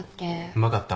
うまかった。